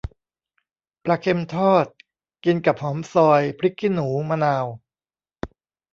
ปลาเค็มทอด กินกับหอมซอย พริกขี้หนู มะนาว